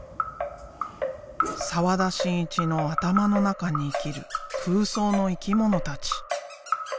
澤田真一の頭の中に生きる空想の生き物たち。